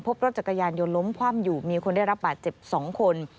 พบรถจักรยานยนต์ล้มคว่ำอยู่มีคนได้รับบาดเจ็บ๒คน